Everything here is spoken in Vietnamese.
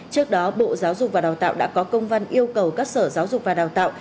trước đó bộ giáo dục và đào tạo đã có công văn yêu cầu các sở giáo dục và đào tạo